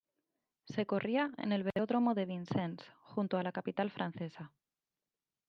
Se corría en el Velódromo de Vincennes, junto a la capital francesa.